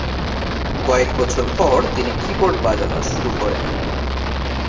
কয়েক বছর পর তিনি কীবোর্ড বাজানো শুরু করেন।